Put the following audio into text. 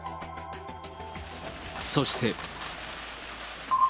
そして。